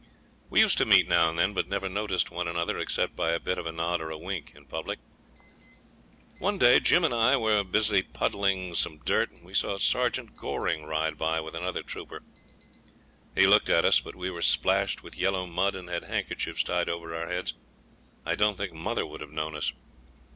We used to meet now and then, but never noticed one another except by a bit of a nod or a wink, in public. One day Jim and I were busy puddling some dirt, and we saw Sergeant Goring ride by with another trooper. He looked at us, but we were splashed with yellow mud, and had handkerchiefs tied over our heads. I don't think mother would have known us.